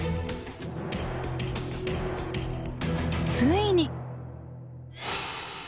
ついに。